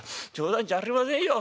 「冗談じゃありませんよ。